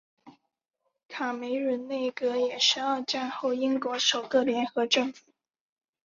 卡梅伦内阁也是二战后英国首个联合政府。